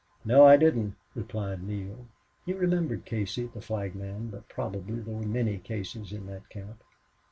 "No, I didn't," replied Neale. He remembered Casey, the flagman, but probably there were many Caseys in that camp.